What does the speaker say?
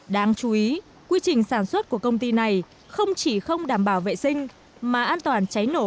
đáng chú ý quy trình sản xuất của công ty này không chỉ không đảm bảo vệ sinh mà an toàn cháy nổ